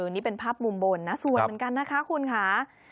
นี่เป็นภาพมุมบนนะสวยเหมือนกันนะคะคุณค่ะ